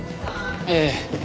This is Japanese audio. ええ。